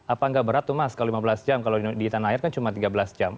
apa nggak berat tuh mas kalau lima belas jam kalau di tanah air kan cuma tiga belas jam